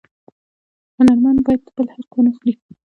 هنرمن باید د بل حق ونه خوري